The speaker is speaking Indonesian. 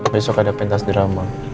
besok ada pentas drama